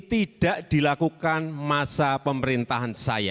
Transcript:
tidak dilakukan masa pemerintahan saya